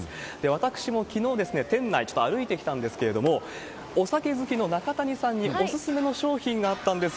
私もきのう、店内、ちょっと歩いてきたんですけれども、お酒好きの中谷さんに、お勧めの商品があったんです。